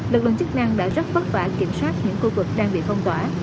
lực lượng chức năng đã rất vất vả kiểm soát những khu vực đang bị phong tỏa